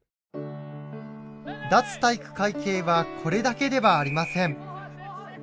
脱体育会系はこれだけではありません。